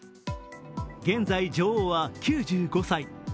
現在、女王は９５歳。